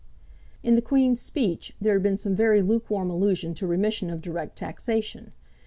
In the Queen's Speech there had been some very lukewarm allusion to remission of direct taxation.